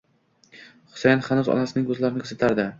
Husayin xanuz onasining ko'zlarini kuzatardi.